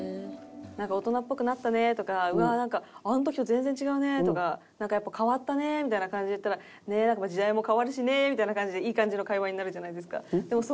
なんか大人っぽくなったねとかうわなんかあの時と全然違うねとかなんかやっぱ変わったねみたいな感じで言ったらねえ時代も変わるしねみたいな感じでいい感じの会話になるじゃないですか。